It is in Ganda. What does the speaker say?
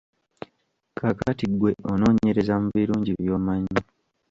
Kaakati ggwe onoonyereza mu birungi by'omanyi.